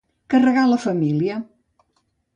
Carregar la família.